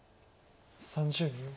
３０秒。